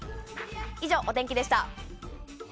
以上、お天気でした。